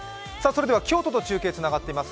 京都と中継がつながっています。